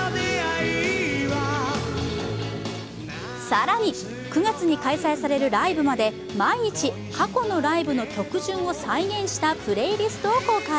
更に、９月に開催されるライブまで毎日、過去のライブの曲順を再現したプレイリストを公開。